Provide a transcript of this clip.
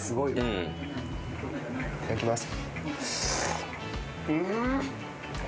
いただきます。